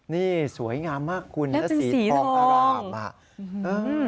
นี่สวยงามมากคุณนะสีผองอร่าม